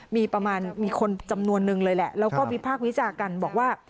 มีประมาณมีคนจำนวนนึงเลยแหละแล้วก็วิพากษ์วิจารณ์กันบอกว่า